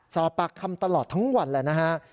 สอบปากคำตลอดทั้งวันแล้วนะฮะ